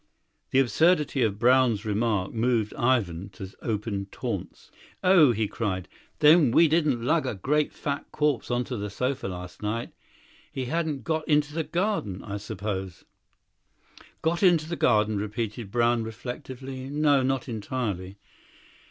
The absurdity of Brown's remark moved Ivan to open taunts. "Oh!" he cried; "then we didn't lug a great fat corpse on to a sofa last night? He hadn't got into the garden, I suppose?" "Got into the garden?" repeated Brown reflectively. "No, not entirely."